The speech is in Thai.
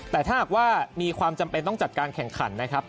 แต่ถ้าหากว่ามีความจำเป็นต้องจัดการแข่งขันนะครับ